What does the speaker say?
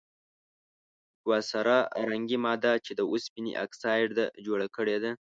یوه سره رنګې ماده چې د اوسپنې اکسایډ ده جوړه کړي ده.